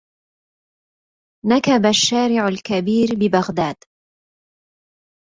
نكب الشارع الكبير ببغداد